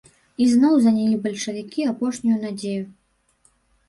Ізноў занялі бальшавікі апошнюю надзею.